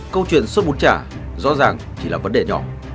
câu chuyện xuất bút chả rõ ràng chỉ là vấn đề nhỏ